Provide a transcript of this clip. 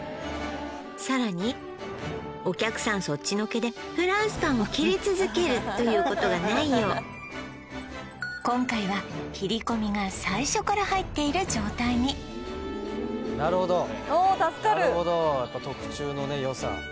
さらにお客さんそっちのけでフランスパンを切り続けるということがないよう今回は切り込みが最初から入っている状態になるほどやっぱ特注のねよさ